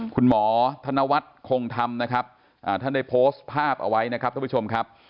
คุณหมอธนวัฒน์คงธรรมนะครับท่านได้โพสต์ภาพเอาไว้นะครับท่านผู้ชมครับ